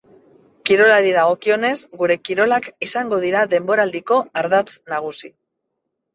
Kirolari dagokionez, gure kirolak izango dira denboraldiko ardatz nagusi.